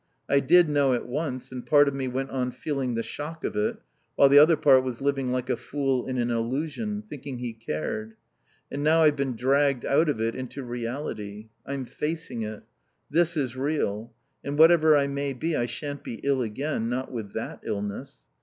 I did know it once, and part of me went on feeling the shock of it, while the other part was living like a fool in an illusion, thinking he cared. And now I've been dragged out of it into reality. I'm facing it. This is real. And whatever I may be I shan't be ill again, not with that illness.